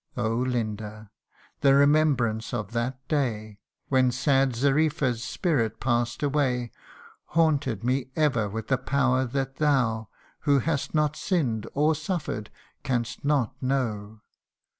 " Oh, Linda ! the remembrance of that day, When sad Xarifa's spirit pass'd away, Haunted me ever with a power that thou, Who hast not sinn'd or suffer'd, canst not know.